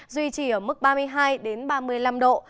duy trì ở mức ba mươi hai ba mươi năm độ